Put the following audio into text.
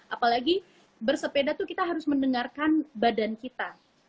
apalagi bersepeda itu kita harus mendengarkan badan kita